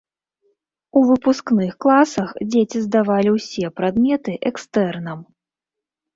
У выпускных класах дзеці здавалі ўсе прадметы экстэрнам.